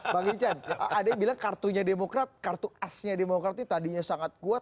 bang ican ada yang bilang kartunya demokrat kartu asnya demokrat ini tadinya sangat kuat